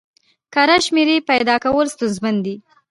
کره شمېرې پیدا کول ستونزمن دي.